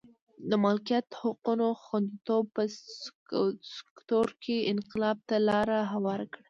د مالکیت حقونو خوندیتوب په سکتور کې انقلاب ته لار هواره کړه.